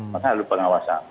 maka harus pengawasan